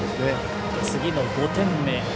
次の５点目。